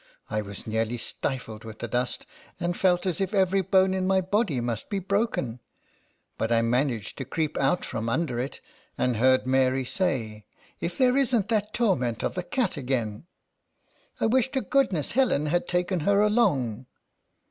I was nearly stifled with dust, and felt as if every bone in my body must be broken ; but I managed to creep out from under it, and heard Mary say, "If there isn't that torment of a cat again ! I wish to goodness Helen had taken her along